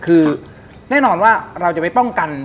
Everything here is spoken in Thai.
คือแน่นอนว่าเราจะไปป้องกัน